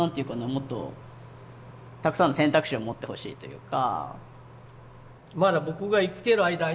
もっとたくさんの選択肢を持ってほしいというか。